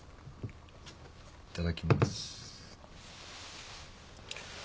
いただきます。